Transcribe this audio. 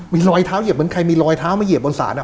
มีรอยเท้าเหยียบเหมือนใครมีรอยเท้ามาเหยียบบนศาล